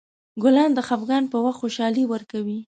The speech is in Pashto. ګلان د خفګان په وخت خوشحالي ورکوي.